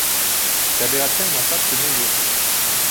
Тәбиғәттең насар көнө юҡ